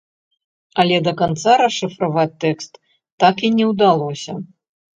Але да канца расшыфраваць тэкст так і не ўдалося.